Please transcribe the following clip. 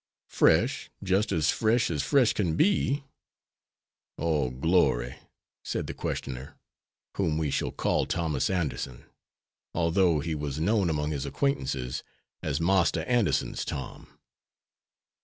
"Fresh; just as fresh, as fresh can be." "Oh, glory!" said the questioner, whom we shall call Thomas Anderson, although he was known among his acquaintances as Marster Anderson's Tom.